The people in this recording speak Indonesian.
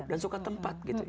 dan suka tempat gitu